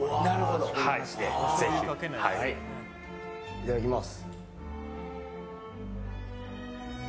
いただきます。